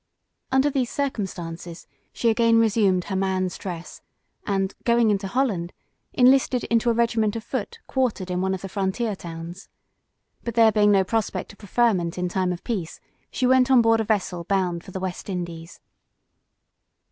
Under these circumstances she again resumed her man's dress, and going into Holland, enlisted into a regiment of foot quartered in one of the frontier towns. But there being no prospect of preferment in time of peace, she went on board a vessel bound for the West Indies.